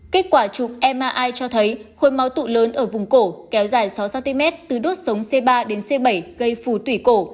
kết quả trục mri cho thấy khối máu tụ lớn ở vùng cổ kéo dài sáu cm từ đốt sống c ba đến c bảy gây phù tủy cổ